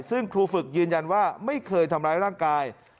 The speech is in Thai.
ซึ่งครูฝึกยืนยันว่าไม่เคยทำร้ายร่างกาย